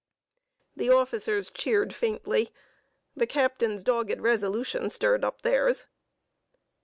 The officers cheered faintly: the captain's dogged resolution stirred up theirs....